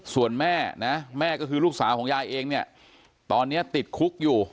ส่วนแม่นะแม่ก็คือลูกสาวของยายเองเนี่ยตอนนี้ติดคุกอยู่